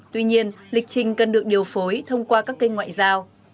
tuy nhiên lịch trình cần được điều phối thông qua các kênh ngoại giao